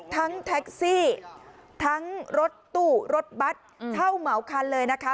ทั้งแท็กซี่ทั้งรถตู้รถบัตรเช่าเหมาคันเลยนะคะ